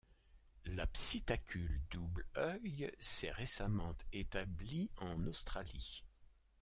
La Psittacule double-œil s'est récemment établie en Australie.